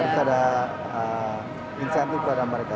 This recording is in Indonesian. harus ada insentif pada mereka